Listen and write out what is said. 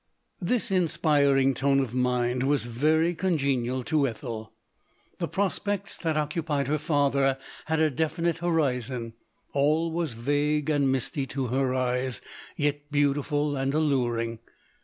This inspiriting tone of mind was very con genial to Ethel. The prospects that occupied her father had a definite horizon : all was vague and misty to her eyes, yet beautiful and allur ing.